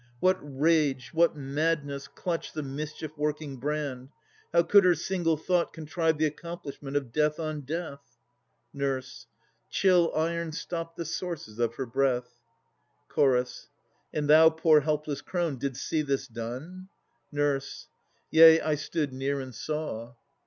What rage, what madness, clutched The mischief working brand? How could her single thought Contrive the accomplishment of death on death? NUR. Chill iron stopped the sources of her breath. CH. And thou, poor helpless crone, didst see this done? NUR. Yea, I stood near and saw.